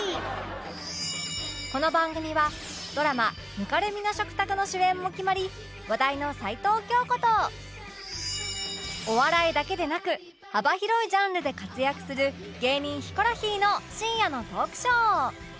この番組はドラマ『泥濘の食卓』の主演も決まり話題の齊藤京子とお笑いだけでなく幅広いジャンルで活躍する芸人ヒコロヒーの深夜のトークショー